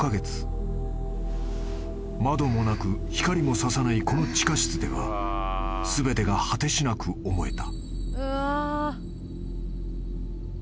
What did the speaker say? ［窓もなく光も差さないこの地下室では全てが果てしなく思えた］